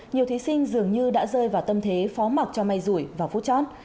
nhiều thí sinh dường như đã rơi vào tâm thế phó mặc cho may rủi vào phút chót